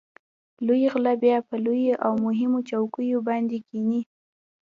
لوی غله بیا په لویو او مهمو چوکیو باندې کېني.